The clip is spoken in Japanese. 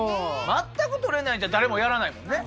全く取れないんじゃ誰もやらないもんね。